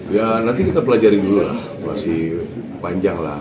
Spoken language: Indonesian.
ya nanti kita pelajari dulu lah masih panjang lah